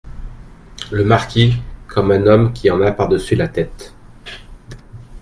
Le Marquis , comme un homme qui en a par-dessus la tête.